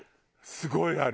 すごいある。